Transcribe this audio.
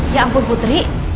ya ampun putri